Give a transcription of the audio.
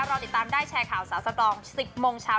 รอติดตามได้แชร์ข่าวสาวสตรอง๑๐โมงเช้า